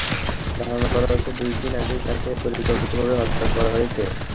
ধারণা করা হচ্ছে, দুই দিন আগেই তাঁকে পরিকল্পিতভাবে হত্যা করা হয়েছে।